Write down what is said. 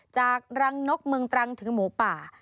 จากรังนกเมืองตรังถือหมูป่า